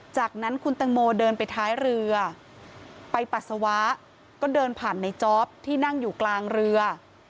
จากนั้นคุณตังโมเดินไปท้ายเรือไปปัสสาวะก็เดินผ่านในจ๊อปที่นั่งอยู่กลางเรือ